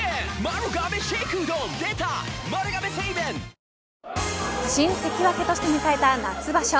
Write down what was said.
「氷結」新関脇として迎えた夏場所。